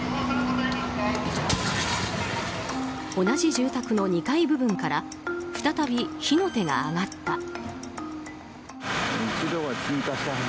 同じ住宅の２階部分から再び火の手が上がった。